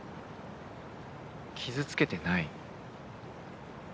傷つけてない。